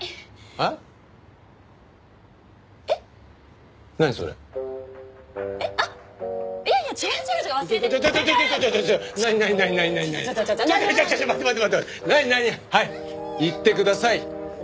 はい言ってください。